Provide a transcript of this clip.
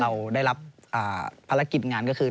เราได้รับภารกิจงานก็คือ